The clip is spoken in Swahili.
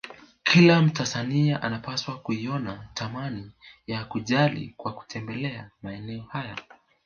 Kila Mtanzania anapaswa kuiona thamani ya kujali kwa kutembelea maeneo haya